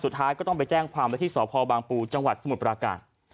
สุดท้ายก็ต้องไปแจ้งความไว้ที่สพบางปูจังหวัดสมุทรปราการ